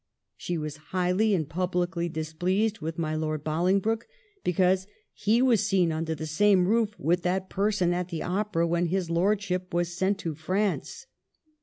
She was highly and publicly displeased with my Lord Bolingbroke because he was seen under the same roof with that person at the opera when his lordship was sent to France.